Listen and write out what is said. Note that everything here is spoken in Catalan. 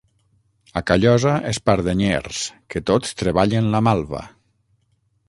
A Callosa, espardenyers, que tots treballen la malva.